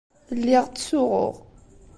Lliɣ ttsuɣuɣ.